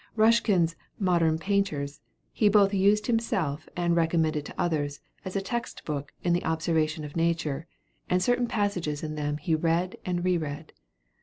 Ruskin's 'Modern Painters' he both used himself and recommended to others as a text book in the observation of nature, and certain passages in them he read and re read.